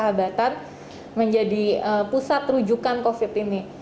di mana saya bisa membuat sahabatan menjadi pusat rujukan covid sembilan belas ini